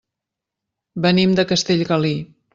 Venim de Castellgalí.